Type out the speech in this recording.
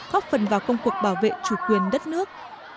góp phần vào công cuộc bảo vệ chủ quyền đất nước